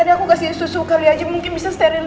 kamu kasih susu kali aja mungkin bisa sterilin mas